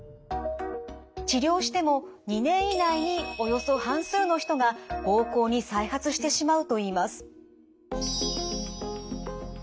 治療しても２年以内におよそ半数の人が膀胱に再発してしまうといいます。